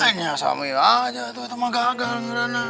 eh ya samia aja tuh itu mah gagal ngerana